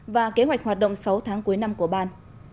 và kế hoạch hoạt động sáu tháng cuối năm của ban